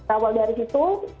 awal dari situ